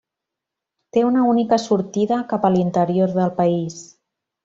Té una única sortida cap a l'interior del país.